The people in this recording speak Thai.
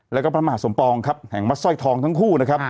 และก็พระมหาสมปองแห่งมัดสร้อยทองทั้งคู่